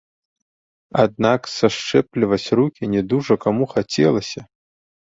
Аднак сашчэпліваць рукі не дужа каму хацелася.